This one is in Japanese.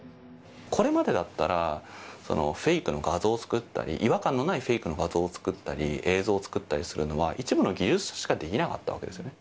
これまでだったら、フェイクの画像を作ったり、違和感のないフェイクの画像を作ったり、映像を作ったりするのは、一部の技術者しかできなかったわけですよね。